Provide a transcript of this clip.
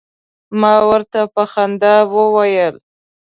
ما ورته په خندا وویل.